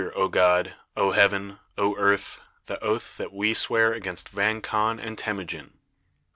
O God! O heaven! O earth! the oath that we swear against Vang Khan and Temujin.